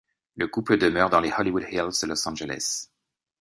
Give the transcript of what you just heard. Le couple demeure dans les Hollywood Hills de Los Angeles.